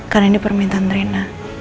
karena ini permintaan rina